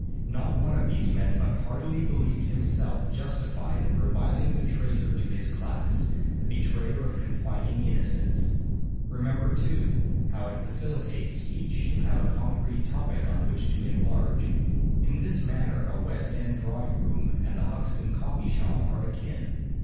Not one of these men but heartily believed himself justified in reviling the traitor to his class, the betrayer of confiding innocence. Remember, too, how it facilitates speech to have a concrete topic on which to enlarge; in this matter a West End drawing room and the Hoxton coffee shop are akin.